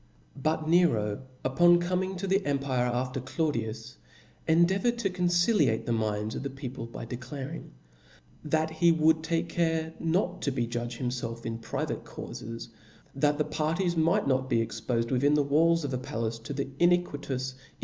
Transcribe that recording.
ButNeto, upon coming to the empire after Claudius, endeavoured to conciliate the minds of the people, by declaring, That he would ^' take irare not to be judge himfelf in private •caufcs, that the parties might not be expofed ♦' wfthin the walls of a palace to the iniquitous \ih!